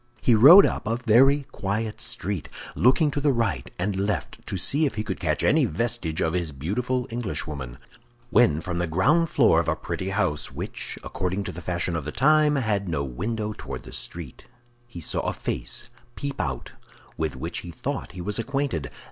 He rode up a very quiet street, looking to the right and the left to see if he could catch any vestige of his beautiful Englishwoman, when from the ground floor of a pretty house, which, according to the fashion of the time, had no window toward the street, he saw a face peep out with which he thought he was acquainted.